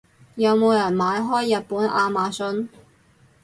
有冇人買開日本亞馬遜？